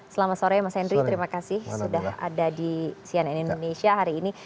selamat sore mas henry terima kasih sudah ada di cnn indonesia hari ini